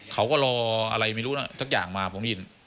เขาก็รออะไรไม่รู้สักอย่างมาผมได้ยิน